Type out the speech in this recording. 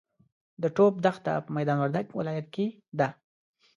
د ټوپ دښته په میدا وردګ ولایت کې ده.